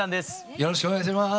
よろしくお願いします。